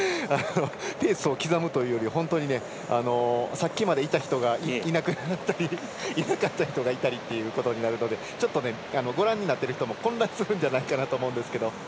ペースを刻むというよりさっきまでいた人がいなくなったりいなかった人がいたりということもあるのでちょっとご覧になってる人も混乱するんじゃないかなと思うんですが。